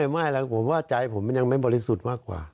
ไม่ผมว่าใจผมยังไม่บริสุทธิ์มากกว่า